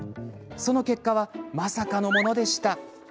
その結果は、まさかのものでした。